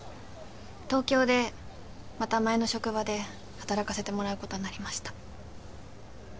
東京でまた前の職場で働かせてもらうことになりました。